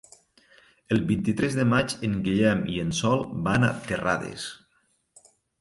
El vint-i-tres de maig en Guillem i en Sol van a Terrades.